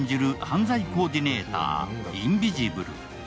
犯罪コーディネーター、インビジブル。